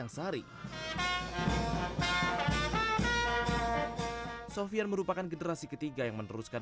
hai sofyan merupakan generasi ketiga yang meneruskan